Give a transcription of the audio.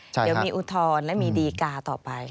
เดี๋ยวมีอุทธรณ์และมีดีกาต่อไป